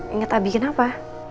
inget abi kenapa